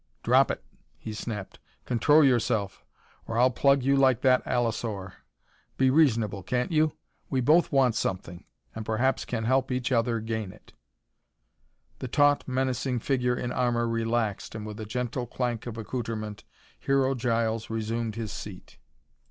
"Drop it," he snapped. "Control yourself, or I'll plug you like that allosaur. Be reasonable, can't you? We both want something, and perhaps can help each other gain it." The taut, menacing figure in armor relaxed and, with a gentle clank of accoutrement, Hero Giles resumed his seat.